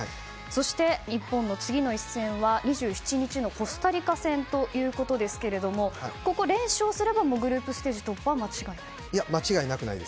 そして、日本の次の一戦は２７日のコスタリカ戦ですがここ連勝すればグループステージ突破は間違いない？